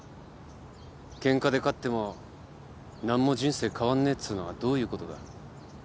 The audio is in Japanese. ケンカで勝っても何も人生変わんねえっつうのはどういうことだ？